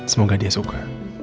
semoga dia suka